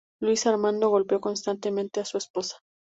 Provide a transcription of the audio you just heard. Luis Armando golpeó constantemente a su esposa.